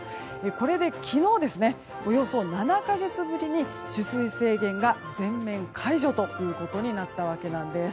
これで昨日およそ７か月ぶりに取水制限が全面解除ということになったわけなんです。